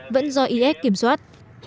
vẫn do is kiểm soát